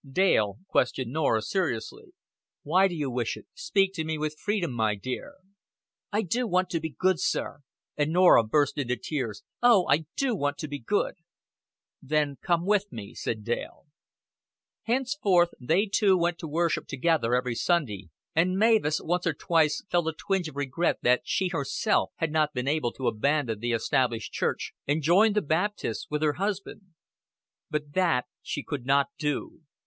Dale questioned Norah seriously. "Why do you wish it? Speak to me with freedom, my dear." "I do want to be good, sir." And Norah burst into tears. "Oh, I do want to be good." "Then come with me," said Dale. Henceforth they two went to worship together every Sunday, and Mavis once or twice felt a twinge of regret that she herself had not been able to abandon the established church and join the Baptists with her husband. But that she could not do.